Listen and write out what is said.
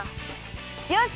よし！